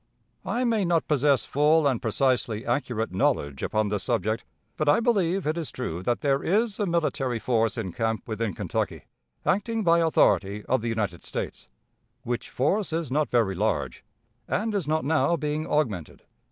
"I may not possess full and precisely accurate knowledge upon this subject; but I believe it is true that there is a military force in camp within Kentucky, acting by authority of the United States, which force is not very large, and is not now being augmented.